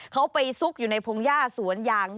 เขาไปซุกอยู่ในพงหญ้าสวนยาง